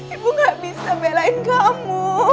ibu gak bisa belain kamu